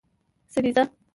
سریزه